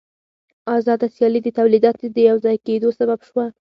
آزاده سیالي د تولیداتو د یوځای کېدو سبب شوه